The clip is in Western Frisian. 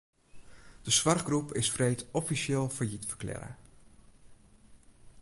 De soarchgroep is freed offisjeel fallyt ferklearre.